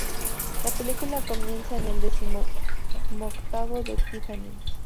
La película comienza en el decimoctavo de Tiffany.